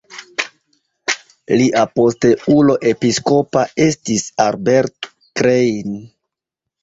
Lia posteulo episkopa estis Albert Klein.